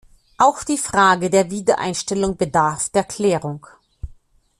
Auch die Frage der Wiedereinstellung bedarf der Klärung.